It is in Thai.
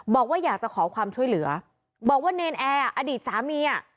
บอกว่าอยากจะขอความช่วยเหลือบอกว่าเนรนแอร์อดีตสามีอ่ะ